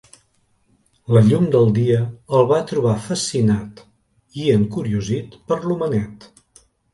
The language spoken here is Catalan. La llum del dia el va trobar fascinat i encuriosit per l'homenet.